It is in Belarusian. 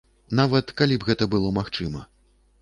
Нават калі б гэта было магчыма.